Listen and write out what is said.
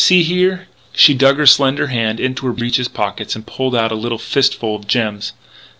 See here! " She dug her slender hand into her breeches' pocket and pulled out a little fistful of gems.